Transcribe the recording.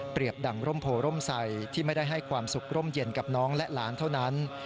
ดั่งร่มโพร่มใสที่ไม่ได้ให้ความสุขร่มเย็นกับน้องและหลานเท่านั้น